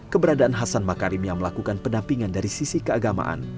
keberadaan hasan makarim yang melakukan pendampingan dari sisi keagamaan